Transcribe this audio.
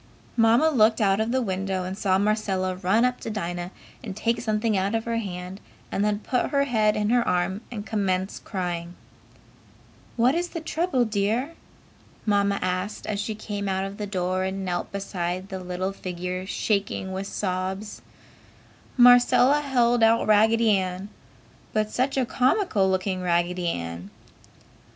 Mamma looked out of the window and saw Marcella run up to Dinah and take something out of her hand and then put her head in her arm and commence crying. "What is the trouble, Dear?" Mamma asked, as she came out the door and knelt beside the little figure shaking with sobs. Marcella held out Raggedy Ann. But such a comical looking Raggedy Ann!